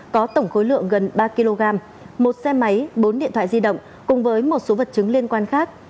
có tổng khối lượng gần ba kg một xe máy bốn điện thoại di động cùng với một số vật chứng liên quan khác